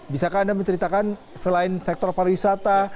bisakah anda menceritakan selain sektor para wisata